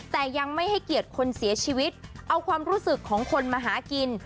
แต่ยังไม่ให้เกียรติคนเสียชีวิตเอาความรู้สึกของคนมาหากิน